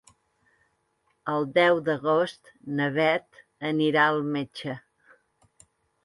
El deu d'agost na Bet anirà al metge.